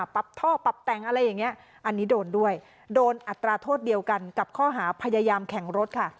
ปรับท่อปรับแต่งอะไรอย่างนี้อันนี้โดนด้วยโดนอัตราโทษเดียวกันกับข้อหาพยายามแข่งรถค่ะ